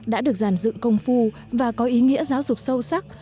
đã được giàn dựng công phu và có ý nghĩa giáo dục sâu sắc